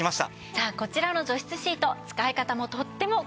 さあこちらの除湿シート使い方もとっても簡単です。